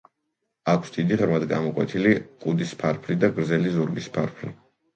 აქვს დიდი, ღრმად ამოკვეთილი კუდის ფარფლი და გრძელი ზურგის ფარფლი.